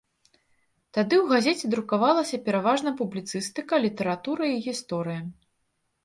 Тады ў газеце друкавалася пераважна публіцыстыка, літаратура і гісторыя.